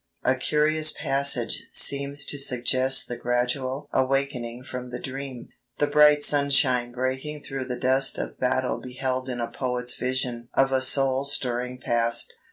"A curious passage seems to suggest the gradual awakening from the dream, the bright sunshine breaking through the dust of battle beheld in a poet's vision of a soul stirring past."